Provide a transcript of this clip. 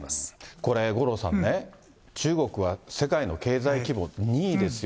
これ、五郎さんね、中国は世界の経済規模２位ですよ。